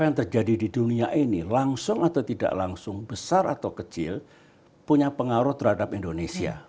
yang terjadi di dunia ini langsung atau tidak langsung besar atau kecil punya pengaruh terhadap indonesia